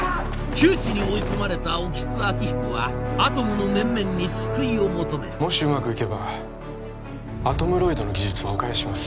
窮地に追い込まれた興津晃彦はアトムの面々に救いを求めるもしうまくいけばアトムロイドの技術はお返しします